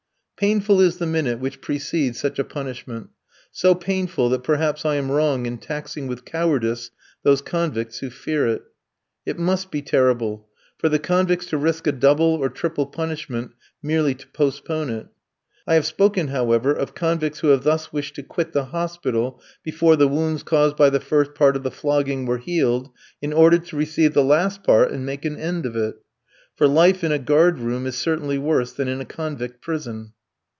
Painful is the minute which precedes such a punishment; so painful, that perhaps I am wrong in taxing with cowardice those convicts who fear it. It must be terrible; for the convicts to risk a double or triple punishment, merely to postpone it. I have spoken, however, of convicts who have thus wished to quit the hospital before the wounds caused by the first part of the flogging were healed, in order to receive the last part and make an end of it. For life in a guard room is certainly worse than in a convict prison.